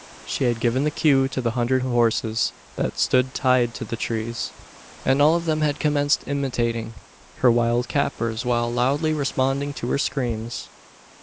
She had given the cue to the hundred horses that stood tied to the trees; and all of them had commenced imitating: her wild capers, while loudly responding to her screams!